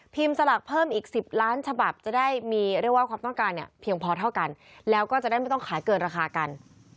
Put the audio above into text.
สลากเพิ่มอีก๑๐ล้านฉบับจะได้มีเรียกว่าความต้องการเนี่ยเพียงพอเท่ากันแล้วก็จะได้ไม่ต้องขายเกินราคากัน